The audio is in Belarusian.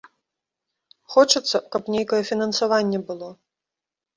Хочацца, каб нейкае фінансаванне было.